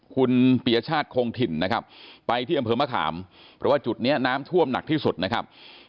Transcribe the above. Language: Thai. คุณปียชาติคงถิ่นนะครับไปที่อำเภอมะขามเพราะว่าจุดนี้น้ำท่วมหนักที่สุดนะครับ